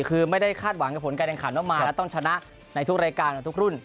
คือไม่ได้คาดหวังกับผลการแข่งขันว่ามาแล้วต้องชนะในทุกรายการกับทุกรุ่น